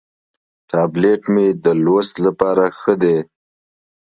ټابلیټ مې د لوست لپاره ښه دی.